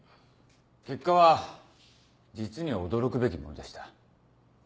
結果は実に驚くべきものでした。